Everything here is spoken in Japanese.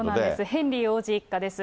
ヘンリー王子一家です。